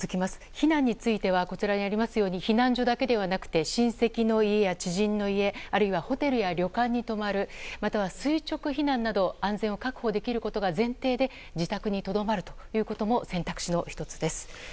避難については避難所だけではなくて親戚の家や、知人の家ホテルや旅館に泊まるまたは垂直避難など安全を確保できることが前提で、自宅にとどまることも選択肢の１つです。